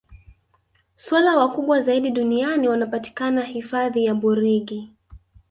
swala wakubwa zaidi duniani wanapatikana hifadhi ya burigi